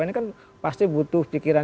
ini kan pasti butuh pikiran